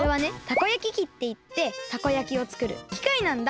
たこ焼き器っていってたこ焼きをつくるきかいなんだ。